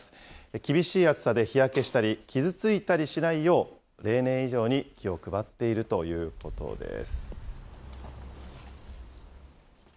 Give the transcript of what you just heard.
厳しい暑さで日焼けしたり、傷ついたりしないよう、例年以上に気を配っているということです。